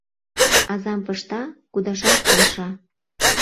— Азам пышта, кудашаш полша.